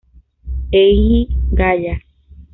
Eiji Gaya